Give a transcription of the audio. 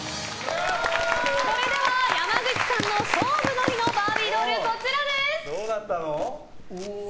それでは山口さんの勝負の日のバービードールこちらです！